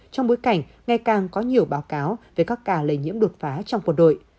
trong bối cảnh ngày càng có nhiều báo cáo về các ca lây nhiễm đột phá trong quân đội